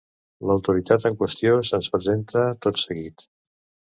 L'autoritat en qüestió se'ns presenta tot seguit.